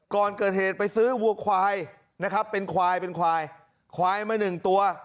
ก่อนเกิดเหตุไปซื้อวัวควายนะครับเป็นควายเป็นควายควายมาหนึ่งตัว